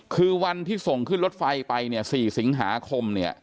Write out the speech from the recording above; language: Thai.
คือวันที่ส่งขึ้นรถไฟไปซี่สิงหาคม